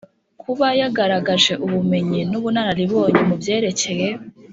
kuba yagaragaje ubumenyi n’ubunararibonye mu byerekeye